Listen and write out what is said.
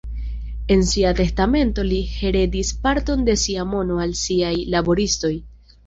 En sia testamento li heredigis parton de sia mono al siaj laboristoj.